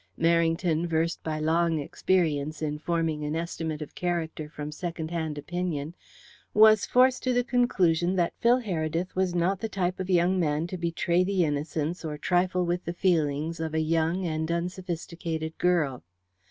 Merrington, versed by long experience in forming an estimate of character from second hand opinion, was forced to the conclusion that Phil Heredith was not the type of young man to betray the innocence or trifle with the feelings of a young and unsophisticated girl.